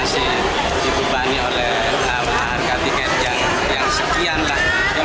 yang mungkin memberakan juga karena juga harga harga barang barang